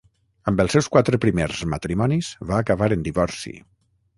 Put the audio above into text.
Amb els seus quatre primers matrimonis va acabar en divorci.